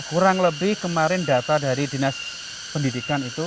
kurang lebih kemarin data dari dinas pendidikan itu